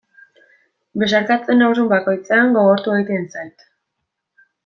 Besarkatzen nauzun bakoitzean gogortu egiten zait.